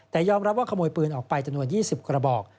แต่ยอมรับว่าขโมยปืนออกไปจำนวน๒๐กระบอก